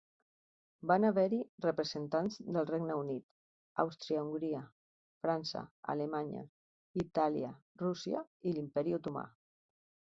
Van haver-hi representants del Regne Unit, Àustria-Hongria, França, Alemanya, Itàlia, Rússia i l'imperi Otomà.